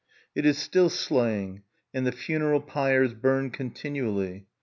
It is still slaying; and the funeral pyres burn continually.